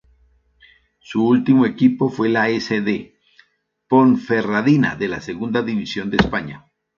Su último equipo fue la S. D. Ponferradina de la Segunda División de España.